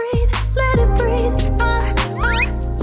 มีคุณธรรมด้วย